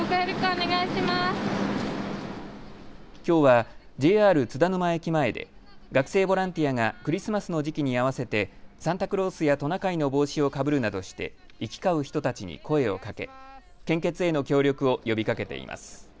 きょうはＪＲ津田沼駅前で学生ボランティアがクリスマスの時期に合わせてサンタクロースやトナカイの帽子をかぶるなどして行き交う人たちに声をかけ献血への協力を呼びかけています。